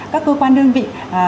các cơ quan đơn vị